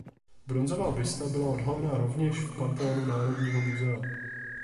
Bronzová busta byla odhalena rovněž v Panteonu Národního muzea.